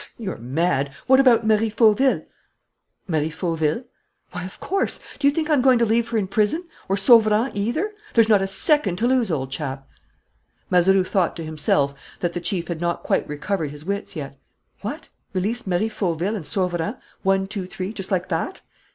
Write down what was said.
"You're mad! What about Marie Fauville?" "Marie Fauville?" "Why, of course! Do you think I'm going to leave her in prison, or Sauverand, either? There's not a second to lose, old chap." Mazeroux thought to himself that the chief had not quite recovered his wits yet. What? Release Marie Fauville and Sauverand, one, two, three, just like that!